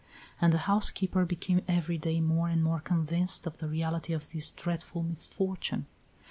And the housekeeper became every day more and more convinced of the reality of this dreadful misfortune.